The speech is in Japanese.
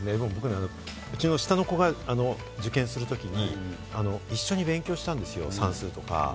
うちの下の子が受験するときに、一緒に勉強したんですよ、算数とか。